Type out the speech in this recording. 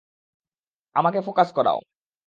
আমাকে ফোকাস করাও।